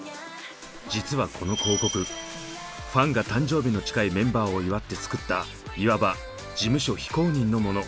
実はこの広告ファンが誕生日の近いメンバーを祝って作ったいわば事務所非公認のもの。